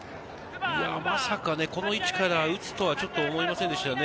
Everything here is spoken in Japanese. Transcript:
まさかこの位置から打つとはちょっと思いませんでしたね。